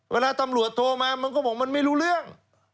เวลาตำรวจโทรมามันก็บอกมันไม่รู้เรื่อง